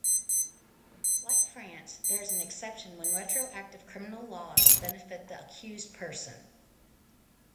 Like France, there is an exception when retroactive criminal laws benefit the accused person.